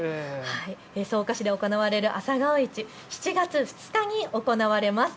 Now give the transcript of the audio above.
草加市で行われる朝顔市、７月２日に行われます。